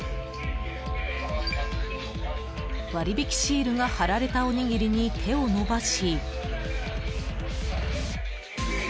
［割引シールが貼られたおにぎりに手を伸ばし］